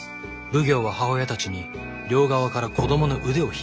奉行は母親たちに両側から子どもの腕を引っ張らせた。